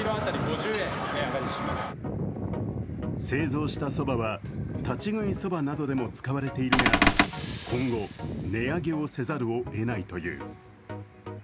製造したそばは、立ち食いそばなどでも使われているが、今後、値上げをせざるをえないという。